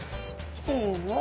せの！